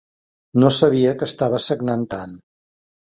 No sabia que estava sagnant tant.